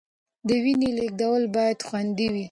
د وینې لیږد باید خوندي وي.